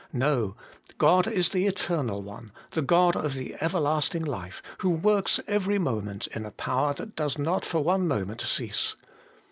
No, God is the Eternal One, the God of the everlasting life, who works every moment in a power that does not for one moment cease.